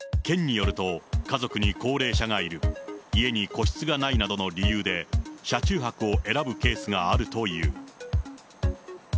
県によると、家族に高齢者がいる、家に個室がないなどの理由で、車中泊を選ぶケースがあるという。